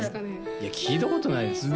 いや聞いたことないですよ